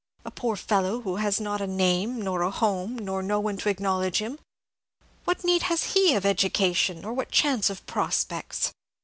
A poor fellow who has not a name, nor a home, nor one to acknowledge him, what need has he of education, or what chance of prospects?